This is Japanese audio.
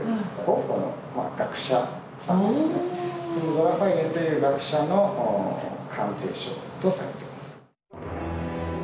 ド・ラ・ファイユという学者の鑑定書とされてます。